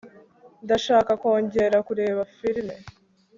ndashaka kongera kureba firime